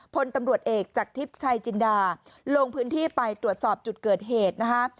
พลตำรวจเอกจากทิพย์ชัยจินดาลงพื้นที่ไปตรวจสอบจุดเกิดเหตุนะคะ